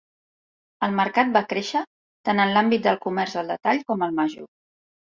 El mercat va créixer, tant en l'àmbit del comerç al detall com al major.